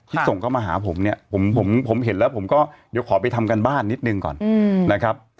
ส่งเข้ามาหาผมเนี่ยผมเห็นแล้วผมก็เดี๋ยวขอไปทำการบ้านนิดนึงก่อนนะครับ